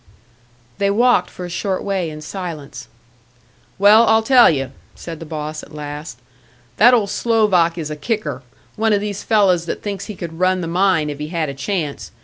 They walked for a short way in silence. "Well, I'll tell you," said the boss, at last; "that old Slovak is a kicker one of these fellows that thinks he could run the mine if he had a chance.